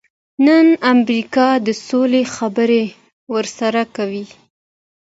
نن امریکا د سولې خبرې ورسره کوي.